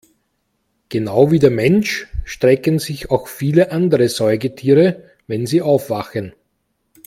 Genau wie der Mensch strecken sich auch viele andere Säugetiere, wenn sie aufwachen.